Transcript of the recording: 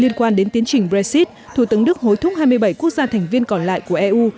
liên quan đến tiến trình brexit thủ tướng đức hối thúc hai mươi bảy quốc gia thành viên còn lại của eu